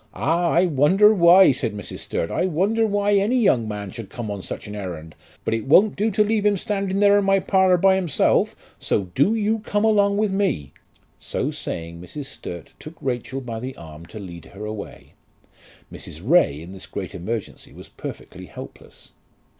"Ah! I wonder why," said Mrs. Sturt. "I wonder why any young man should come on such an errand! But it won't do to leave him there standing in my parlour by himself, so do you come along with me." So saying Mrs. Sturt took Rachel by the arm to lead her away. Mrs. Ray in this great emergency was perfectly helpless.